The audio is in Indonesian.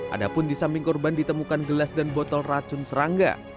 adapun di samping korban ditemukan gelas dan botol racun serangga